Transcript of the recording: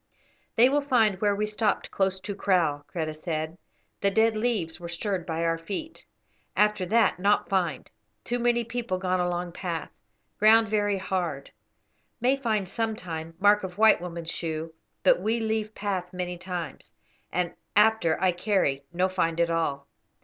"They will find where we stopped close to kraal," Kreta said; "the dead leaves were stirred by our feet; after that not find, too many people gone along path; ground very hard; may find, sometime, mark of the white woman's shoe; but we leave path many times, and after I carry no find at all.